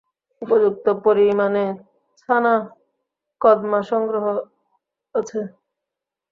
উপযুক্ত পরিমাণে ছানা কদমা সংগ্রহ আছে।